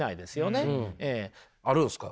あるんすか？